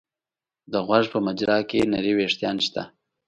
د غوږ په مجرا کې نري وېښتان شته.